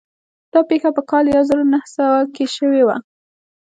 دا پېښه په کال يو زر و نهه سوه کې شوې وه.